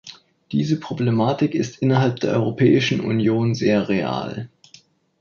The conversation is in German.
Diese Problematik ist innerhalb der Europäischen Union sehr real.